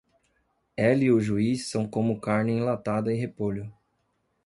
Ela e o juiz são como carne enlatada e repolho.